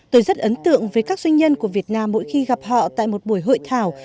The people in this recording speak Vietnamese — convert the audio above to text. tôi rất ấn tượng với các doanh nhân của việt nam mỗi khi gặp họ tại một buổi hội thảo